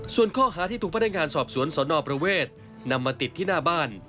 ส่วนข้อหาที่ถูกพนักงานสอบสวนสนประเวทนำมาติดที่หน้าบ้าน